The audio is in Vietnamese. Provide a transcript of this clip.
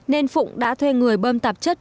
nên phụng đã thuê người bơm tạp chất